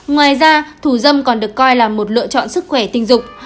ngoài ra thù dâm còn được coi là một lựa chọn sức khỏe tình dục